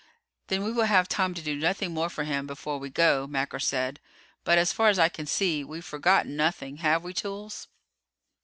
"Then we will have time to do nothing more for him before we go," Macker said. "But as far as I can see we've forgotten nothing, have we, Toolls?"